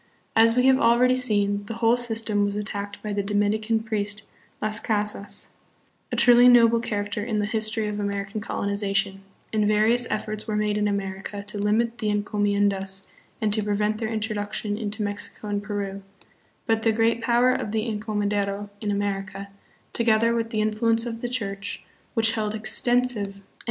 As we have already seen, the whole system was attacked by the Dominican priest, Las Casas, a truly noble char acter in the history of American colonization, and various efforts were made in America to limit the encomiendas and to prevent their introduction into Mexico and Peru ; but the great power of the encomendero in America, together with the influence of the Church, which held extensive 112 THE PHILIPPINES.